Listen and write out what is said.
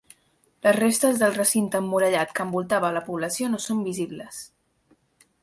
Les restes del recinte emmurallat que envoltava la població no són visibles.